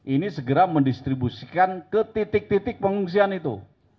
ini segera mendistribusikan ke titik titik pengungsian itu